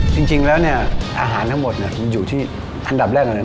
จริงแล้วเนี่ยอาหารทั้งหมดเนี่ยมันอยู่ที่อันดับแรกเลย